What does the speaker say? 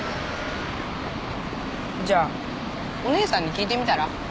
じゃあお姉さんに聞いてみたら？